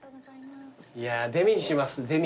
いやーデミにしますデミ。